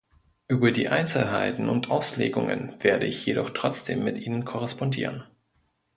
Über die Einzelheiten und Auslegungen werde ich jedoch trotzdem mit Ihnen korrespondieren.